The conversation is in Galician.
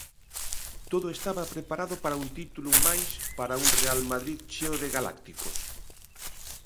Todo estaba preparado para un título máis para un Real Madrid cheo de galácticos.